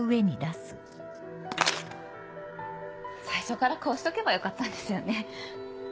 最初からこうしておけばよかったんですよね。